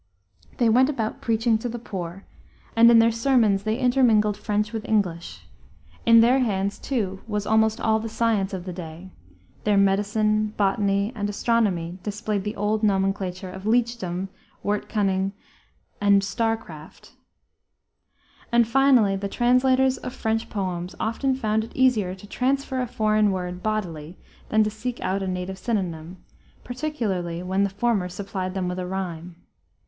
They went about preaching to the poor, and in their sermons they intermingled French with English. In their hands, too, was almost all the science of the day; their medicine, botany, and astronomy displaced the old nomenclature of leechdom, wort cunning, and star craft. And, finally, the translators of French poems often found it easier to transfer a foreign word bodily than to seek out a native synonym, particularly when the former supplied them with a rhyme.